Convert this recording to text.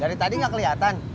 dari tadi gak keliatan